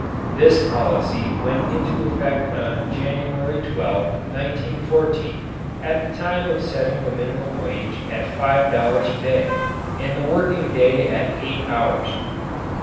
This policy went into effect on January 12, 1914, at the time of setting the minimum wage at five dollars a day and the working day at eight hours.